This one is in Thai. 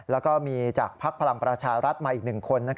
แล้วก็มีจากภักดิ์พลังประชารัฐมาอีก๑คน